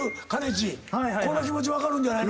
ちこの気持ち分かるんじゃないの？